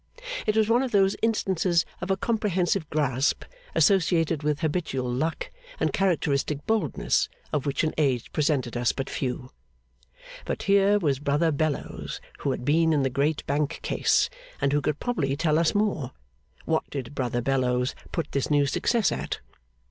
It was one of those instances of a comprehensive grasp, associated with habitual luck and characteristic boldness, of which an age presented us but few. But here was Brother Bellows, who had been in the great Bank case, and who could probably tell us more. What did Brother Bellows put this new success at?